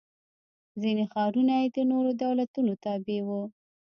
ځیني ښارونه یې د نورو دولتونو تابع و.